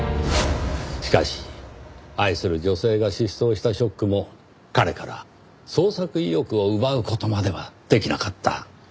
しかし愛する女性が失踪したショックも彼から創作意欲を奪う事まではできなかった。